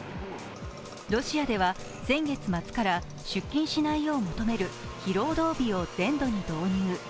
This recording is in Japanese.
ロシアでは先月末から出勤しないよう求める非労働日を全土に導入。